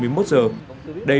đây sẽ là đòn bày